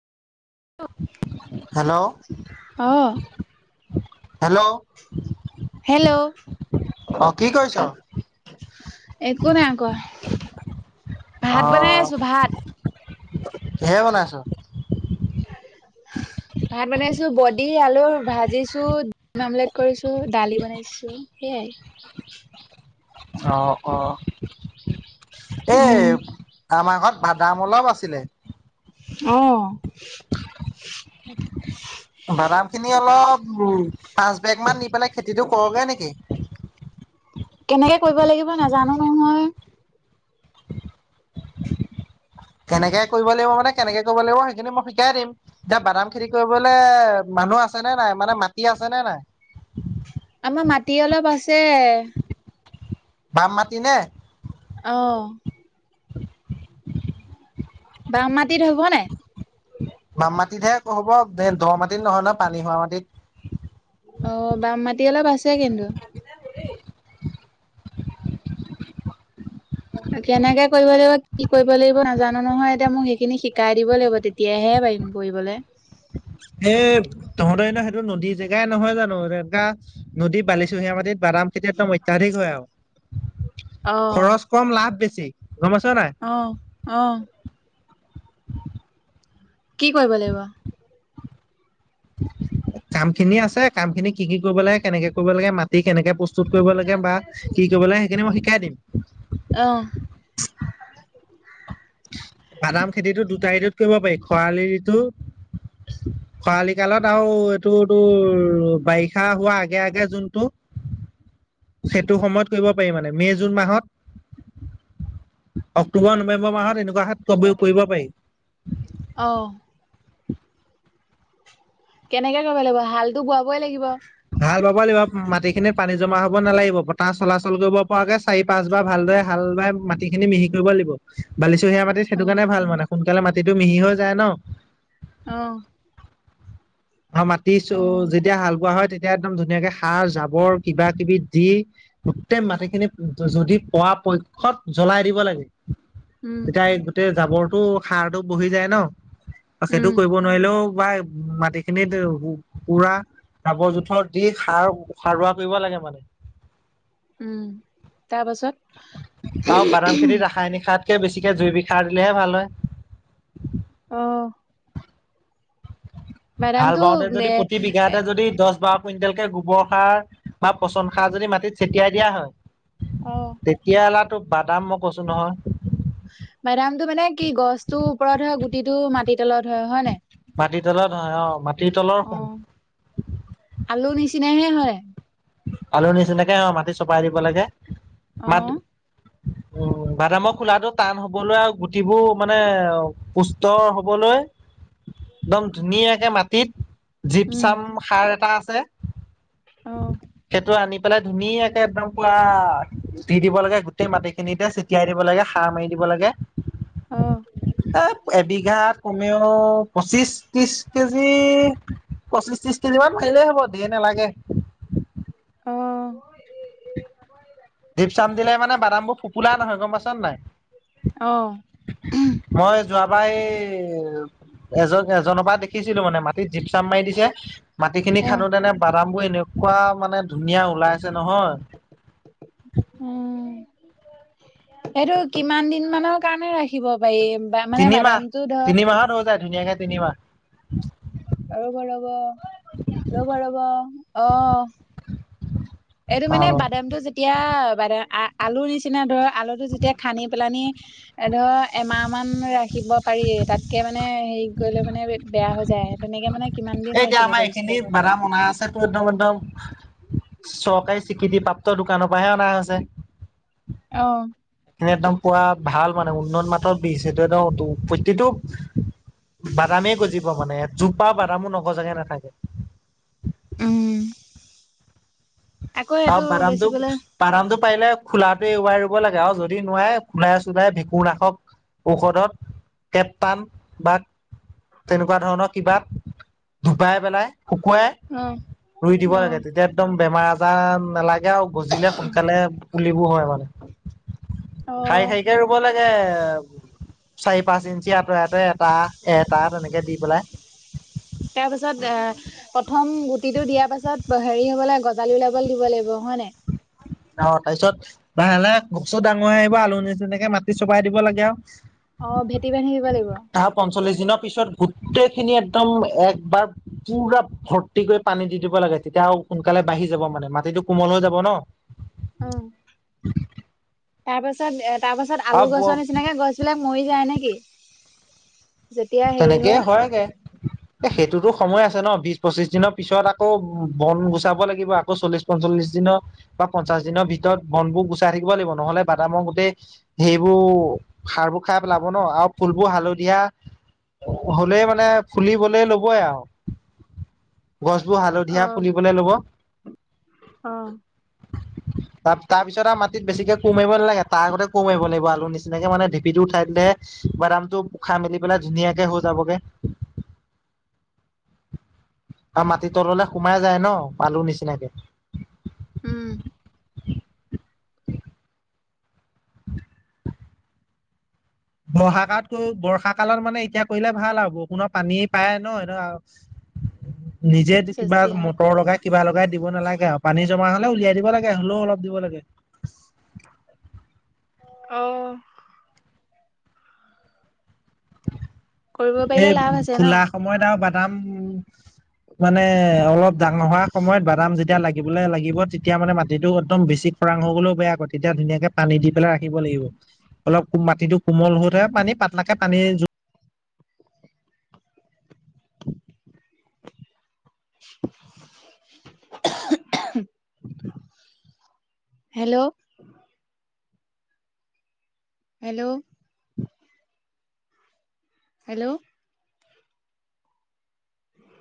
Hello! অ', hello! Hello! একো নাই কোৱা। ভাত বনাই অঁ, আছো ভাত। কিহে বনাইছ? ভাত বনাইছো, বডি আলুৰ ভাজিছো, অমলেট কৰিছো, দালি বনাইছো। সেয়াই। অঁ, অ এ। উম, আমাৰ ঘৰত বাদাম অলপ আছিলে। অঁ। [inaudible] বাদাম খিনি অলপ উ, পাঁচ বেগ মান দি পেলাই খেতিটো কৰোগে নেকি? কেনেকে কৰিব লাগিব নাজানো নহয়। কেনেকে কৰিব লাগিব, মানে কেনেকে কৰিব লাগিব, সেইখিনি মই শিকাই দিম। এতিয়া বাদাম খেতি কৰিবলৈ মানুহ আছেনে নাই? মানে মাটি আছেনে নাই? আমাৰ মাটি অলপ আছে। বাম মাাটতি নে? অঁ। বাম মাটিত হ'ব নাই। মাম মাটিতহে হ'ব এ দ মাটিত নহয় নহয়, পানী হোৱা মাটিত। অ বাম মাটি অলপ আছে কিন্তু। কেনেকে কৰিব লাগিব কি কৰিব লাগিব নাজানো নহয়, এতিয়া মোক সেইখিনি শিকাই দিব লাগিব তেতিয়া। তেতিয়াহে পাৰিম কৰিবলৈ। এ, তহঁতৰ এ, সেইটো নদী জেগাই নহয় জানো, এনেকা নদী বালিচুহিয়া মাটিত বাদাম। তেতিয়াদম অত্যাধিক হয় আৰু, অ', খৰচ কম লাভ বেছি, গমাইছো নাই। অঁ, অ। কি কৰিব লাগিব? কাম খিনি আছে, কাম খিনি কি, কি কৰিব লাগে, কেনেকে কৰিব লাগে মা। সেই, কেনেকে প্ৰস্তুত কৰিব লাগে, বা কি কৰিব লাগে সেইখিনি মই শিকাই দিম। অঁ। বাদাম খেতিটো দুটা, ঋতুত কৰিব পাৰি, খৰালি ঋতু। খৰালি কালত আৰু এইটো তোৰ বাৰিষা হোৱা আগে, আগে যোনটো। সেইটো সময়ত কৰিব পাৰি মানে মে', জুন মাহত। অক্টোবৰ, নৱেম্বৰ মাহত এনেকুৱা খাক কৰিব পাৰি। অঁ। কেনেকে কৰিব লাগিব? হালটো বোৱাবই লাগিব! হাল বাব লাগিব মাটি খিনিৰ পানী জমা হব নালাগিব, বতাহ চলাচল কৰিব পৰাকে। চাৰি, পাঁচ বাৰ ভালদৰে হাল বাই মাটি খিনি, মিহি কৰিব লাগিব বালিচুহিয়া মাটিত। অ সেইটো কাৰণে ভাল মানে সোনকালে মাটিটো মিহি হৈ যায় ন। অঁ। অঁ, মাতিছো অ যেতিয়া হাল বোৱা হয়, তেতিয়া একদম ধুনীয়াকে সাৰ জাবৰ কিবা, কিবি দি। গোটেই মাটিখিনি যদি পোৱা পক্ষত জ্বলাই দিব লাগে। উম এতিয়া এই গোটেই জাবৰটো সাৰটো বহি যায় ন, সেইটো উম কৰিব। নোৱাৰিলেও বা মাটি। খিনিত পুৰা জাবৰ জোথৰ দি সাৰ সাৰুৱা কৰিব লাগে মানে। উম তাৰপাছত অঁ, বাদাম খেতি ৰাসায়নিক সাৰ। কে বেছিকে জৈৱিক সাৰ, দিলেহে ভাল হয়। অঁ। ভাল বাদামটো পাওঁতে, যদি এ প্ৰতি এ বিঘাতে যদি দহ বাৰ কুইণ্টেল কে গোবৰ সাৰ বা পচন সাৰ যদি মাটিত ছটিয়াই দিয়া হয়। অঁ। তেতিয়া হালাতো বাদাম মই কৈছো নহয় বাডামটো মানে কি গছটোৰ ওপৰত হয় গুটিটো মাটিৰ তলত হয়, হয় নাই। মাটি তলত হয় অ, মাত অঁ, আলু নিচিনাহে হয়। আলুৰ নিচিনাকে হয়, মাটি চপাই দিব লাগে অ মাট উম, বাদামৰ খোলাটো টান হবলৈ আৰু গুটিবোৰ মানে অ পুষ্ট হবলৈ, দম ধুনীয়াকে মাটিত জীপ উম চাম সাৰ এটা আছে। অ। সেইটো আনি পেলাই ধুনীয়াকে একদম পুৰা দি দিব লাগে গোটেই মাটিখিনিতে ছটিয়াই দিব লাগে সাৰ মাৰি দিব লাগে। অ। এ এবিঘাত কমেও পঁচিশ ত্ৰিশ কেজি। পঁচিশ ত্ৰিশ কেজি মান পাৰিলেই হ'ব দে নেলাগে। অঁ। দীপচাম দিলে মানে বাদাম বোৰ ফোপোলা নহয় গম পাইচ নাই। অ। মই যোৱাবাৰ এই এজন এজনৰ পৰা দেখিছিলো মানে মা টিত জীপ চাপ মাৰি দিছে মাটি খিনি অ খান্দোতেনে বাদাম বোৰ এনেকুৱা মানে ধুনীয়া ওলাইছে নহয়। উম। সেইটো কিমান দিন মানৰ কাৰণে ৰাখিব পাৰি। বা মানে তিনিমাহ বাদামটো ধৰ তিনিমাহত হৈ যায় ধুনীয়াকে তিনিমাহ। ৰব ৰব, ৰ'ব ৰব অ। [unintelligible] এইটো মানে অ বাদামটো যেতিয়া বাদাম আলুৰ নিচিনা ধৰ আলুটো যেতিয়া খান্দি পেলানি এ ধৰ এমাহ মান ৰা শিকিব পাৰিয়ে তাতকৈ মানে হেৰি কৰিলে মানে বেয়া হৈ যায় তেনেকে মানে কিমান এই দিন এতিয়া ৰাখিব আমাৰ পাৰি এইখিনি ষ্ট্ৰকত। বাদাম অনা আছেতো একদম একদম চৰকাৰী স্বীকৃতিপ্ৰাপ্ত দোকানৰ পৰাহে অনা হৈছে। অ। [inaudible] একদম পৰা ভাল মানে উন্নত মাতৰ বিজ সেইটো একদম প্ৰত্যটো। বাদামেই গজিব মানে এজোপা বাদামো নগজাকে নাথাকে। উম আকৌ আও সেইটো বাদামটো। বেচিবলৈ বাদামটো পাৰিলে খোলাটোৱে ওৱাই ৰুব লাগে আৰু যদি নোৱাৰে খোলাই চুলাই ভেকু ৰাখক। ঔষধত কেপ্তান বাট। তেনেকুৱা ধৰণৰ কিবা ধুপাই পেলাই শুকুৱাই। অ ৰুই দিব অ লাগে তেতিয়া একদম বেমাৰ আজাৰ নালাগে আও। বুজিলে সোনকালে পুলিবোৰ হয় মানে অ খাই শাৰীকে ৰু ব লাগে চাৰি পাঁচ ইঞ্চি আঁতৰে আঁটৰে এটা এটা তেনেকে দি পেলাই। তাৰ পিছত আ প্ৰথম গুটিটো দিয়াৰ পাছত হেৰি হব লাগে গজালি ওলাবলৈ দিব লাগিব হয় নাই। অ তাৰপিছত লাহে লাহে কচু ডাঙৰ হৈ আহিব আলু নিনেকে মাটি চপাই দিব লাগে আৰু অ ভেটি বান্ধি দিব লাগিব। তাহ পঞ্চল্লিশ দিনৰ পিছত গোটেইখিনি একদম একবাৰ পুৰা ভৰ্তি কৰি পানী দি দিব লাগে তেতিয়া সোনকালে বাঢ়ি যাব মানে মাটিটো কোমল হৈ যাব ন। অ [unintelligible] তাৰ পাছত এ তাৰ পাছত আলু আৰু গছৰ নিচিনাকে গছবিলাক মৰি যায় নেকি? যেতিয়া হেৰি তেনেকেই হয় হয়গে এ সেইটোতো সময় আছে ন বিশ পঁচিশ দিনৰ পিছত আকৌ বন গুচাব লাগিব আকৌ চল্লিশ পঞ্চল্লিশ দিনৰ বা পঞ্চাশ দিনৰ ভিতৰত বনবোৰ গুচাই থাকিব লাগিব নহ'লে বাদাম গোটেই সেইবোৰ সাৰবোৰ খাই পেলাব ন আৰু ফুলবোৰ হালধীয়া হ'লেই মানে ফুলিবলে লবই আৰু গছবোৰ হালধীয়া অ ফুলিবলৈ ল'ব। তাৰ, অ তাৰপিছত আৰু মাটিত বেছিকে কোৰ মাৰিব নালাগে, তাৰ আগতেই কোৰ মাৰিব লাগিব, আলু নিচিনাকে মানে ভেটিটো উঠাই দিলেহে বাদামটো খাই মেলি পেলাই ধুনীয়াকে হৈ যাবগে। আৰু মাটি তললে সোমাই যায় ন, আলু নিচিনাকে। উম। মহাকাতকৈ বৰ্ষাকালত মানে এতিয়া কৰিলে ভাল আৰু, বৰষুণৰ পানী পায় ন নিজেই চেচ কিবা দিয়া হ'ল মটৰ লগাই কিবা লগাই দিব নালাগে আৰু, পানী জমা হ'লে উলিয়াই দিব লাগে, হ'লেও অলপ দিব লাগে। অহ। কৰিব পাৰিলে এই লাভ আছে ন ফুলা সময়ত আৰু বাদাম মানে অলপ দাঙৰ হোৱা সময়ত বাদাম যেতিয়া লাগিবলৈ লাগিব তেতিয়া তেতিয়া মানে মাটিটো একদম বেছি খৰাং হৈ গ'লেও বেয়া আকৌ, তেতিয়া ধুনীয়াকে পানী দি পেলাই ৰাখিব লাগিব। অলপ মাটিটো কোমল হওঁতে পানী পাতলকে পানী [unintelligible] হেল্ল' হেল্ল' হেল্ল'।